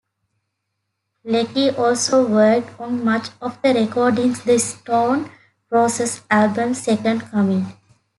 Leckie also worked on much of the recording the Stone Roses' album "Second Coming".